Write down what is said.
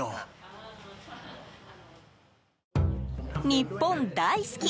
日本大好き。